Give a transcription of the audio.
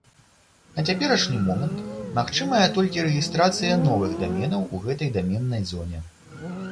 На цяперашні момант магчымая толькі рэгістрацыя новых даменаў у гэтай даменнай зоне.